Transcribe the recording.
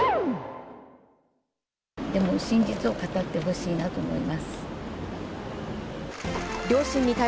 真実を語ってほしいなと思い